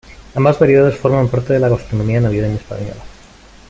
Ambas variedades forman parte de la gastronomía navideña española.